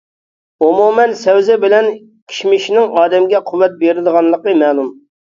ئومۇمەن سەۋزە بىلەن كىشمىشنىڭ ئادەمگە قۇۋۋەت بېرىدىغانلىقى مەلۇم.